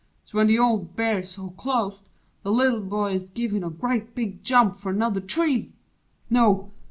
So when th' old Bear's so clos't the Little Boy Ist gives a grea' big jump fer 'nother tree No!